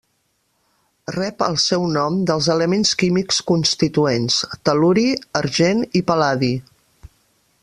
Rep el seu nom dels elements químics constituents: tel·luri, argent i pal·ladi.